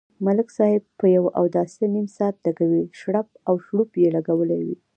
ملک صاحب په یوه اوداسه نیم ساعت لگوي، شړپ او شړوپ یې لگولی وي.